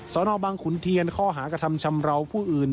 สนบังขุนเทียนข้อหากระทำชำราวผู้อื่น